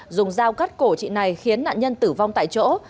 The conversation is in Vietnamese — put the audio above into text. dùng dao cắt cổ chị này khiến nạn nhân tử vong tại chỗ